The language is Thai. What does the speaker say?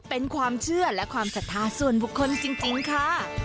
เป็นความเชื่อและความศรัทธาส่วนบุคคลจริงค่ะ